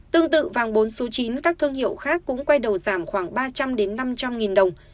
tương tự vàng bốn số chín các thương hiệu khác cũng quay đầu giảm khoảng ba trăm linh năm trăm linh nghìn đồng